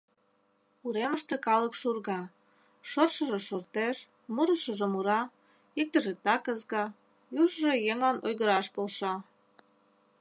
Уремыште калык шурга: шортшыжо шортеш, мурышыжо мура, иктыже так ызга, южыжо еҥлан ойгыраш полша.